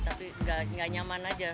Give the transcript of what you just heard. tapi tidak nyaman saja